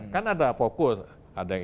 kan ada fokus ada yang